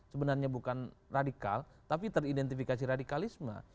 sebenarnya bukan radikal tapi teridentifikasi radikalisme